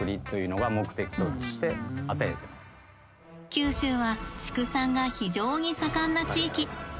九州は畜産が非常に盛んな地域。